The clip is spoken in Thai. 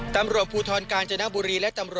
จอบประเด็นจากรายงานของคุณศักดิ์สิทธิ์บุญรัฐครับ